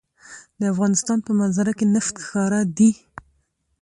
د افغانستان په منظره کې نفت ښکاره دي.